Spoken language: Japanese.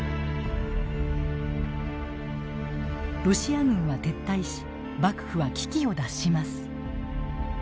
ロシア軍は撤退し幕府は危機を脱します。